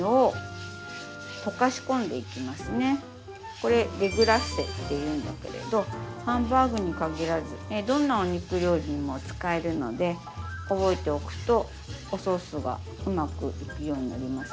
これデグラッセっていうんだけれどハンバーグに限らずどんなお肉料理にも使えるので覚えておくとおソースがうまくいくようになります。